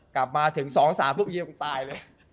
กลับมาถึง๒๓รูปเยี่ยมก็ตายเลย